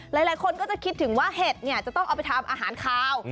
หลายคนก็จะคิดถึงว่าเห็ดเนี่ยจะต้องเอาไปทำอาหารคาว